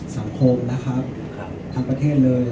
สังคมทั้งประเทศเลย